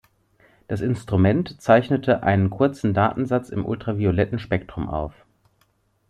Das Instrument zeichnete einen kurzen Datensatz im ultravioletten Spektrum auf.